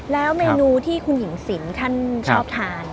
แล้วเมนูที่คุณหญิงสินท่านชอบทาน